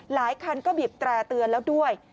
หลายคันก็บีบแตร่เตือนแล้วด้วย